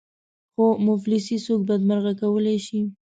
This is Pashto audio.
خو مفلسي څوک بدمرغه کولای شي.